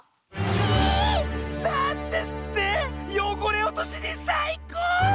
キイー！なんですってよごれおとしにさいこう⁉